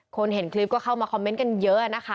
เห็นคลิปก็เข้ามาคอมเมนต์กันเยอะนะคะ